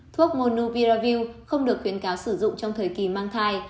thuốc monoviravill không được khuyến cáo sử dụng trong thời kỳ mang thai